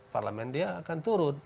parlamen dia akan turun